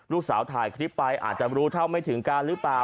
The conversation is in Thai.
ถ่ายคลิปไปอาจจะรู้เท่าไม่ถึงการหรือเปล่า